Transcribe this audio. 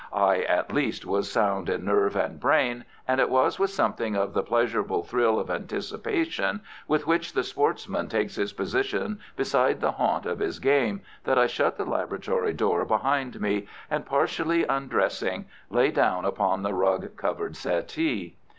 I at least was sound in nerve and brain, and it was with something of the pleasurable thrill of anticipation with which the sportsman takes his position beside the haunt of his game that I shut the laboratory door behind me, and partially undressing, lay down upon the rug covered settee.